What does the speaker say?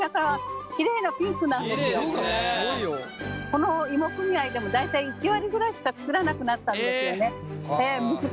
この芋組合でも大体１割ぐらいしか作らなくなったんですよね。